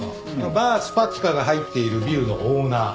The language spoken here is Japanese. ＢＡＲＳｐｈａｔｉｋａが入っているビルのオーナー。